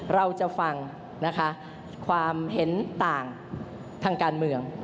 เราจะฟังนะคะความเห็นต่างทางการเมือง